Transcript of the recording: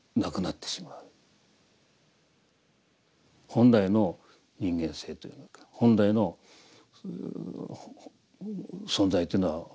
本来の人間性というのか本来の存在というのは仏そのものなんだ。